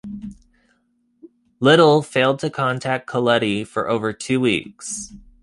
Little failed to contact Colletti for over two weeks.